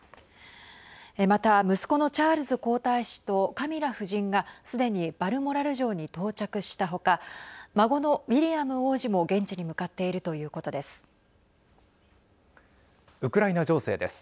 また、息子のチャールズ皇太子とカミラ夫人がすでにバルモラル城に到着した他孫のウィリアム王子も現地に向かっているということです。